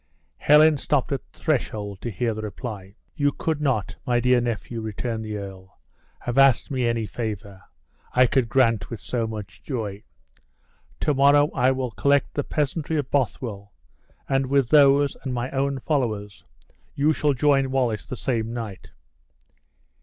Helen stopped at the threshold to hear the reply. "You could not, my dear nephew," returned the earl, "have asked me any favor I could grant with so much joy. To morrow I will collect the peasantry of Bothwell, and with those, and my own followers, you shall join Wallace the same night."